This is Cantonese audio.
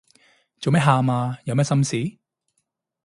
做咩喊啊？有咩心事